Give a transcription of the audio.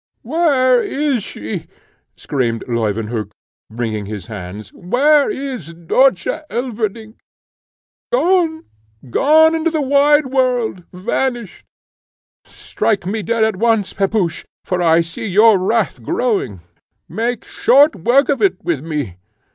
"Where is she?" screamed Leuwenhock, wringing his hands "where is Dörtje Elverdink? Gone! gone into the wide world! vanished! But strike me dead at once, Pepusch, for I see your wrath growing: make short work of it with me!"